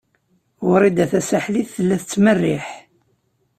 Wrida Tasaḥlit tella tettmerriḥ.